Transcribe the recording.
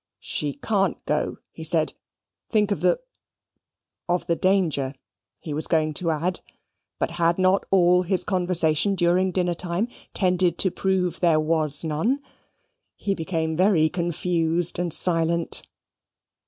"She can't go," he said; "think of the of the danger," he was going to add; but had not all his conversation during dinner time tended to prove there was none? He became very confused and silent.